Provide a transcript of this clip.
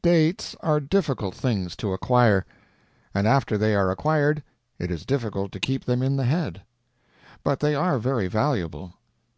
Dates are difficult things to acquire; and after they are acquired it is difficult to keep them in the head. But they are very valuable.